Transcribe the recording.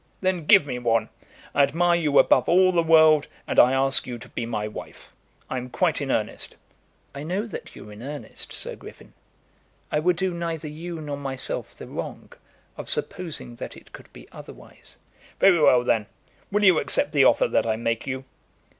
"Then give me one. I admire you above all the world, and I ask you to be my wife. I'm quite in earnest." "I know that you are in earnest, Sir Griffin. I would do neither you nor myself the wrong of supposing that it could be otherwise." "Very well then. Will you accept the offer that I make you?"